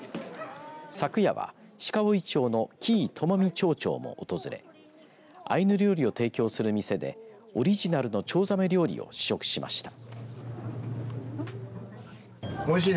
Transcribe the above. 昨夜は、鹿追町の喜井知己町長も訪れアイヌ料理を提供する店でオリジナルのチョウザメ料理を試食しました。